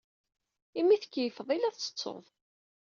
Imi ay tkeyyfed ay la tettusud.